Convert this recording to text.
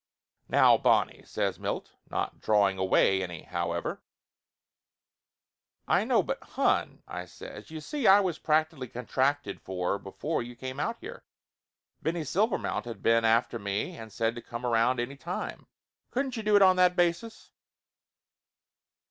"Now, Bonnie !" says Milt, not drawing away any, however. "I know, but, hon," I says, "you see I was prac tically contracted for before you come out here. Benny Silvermount had been after me and said to come around any time. Couldn't you do it on that basis?"